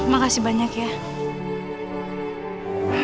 makasih banyak ya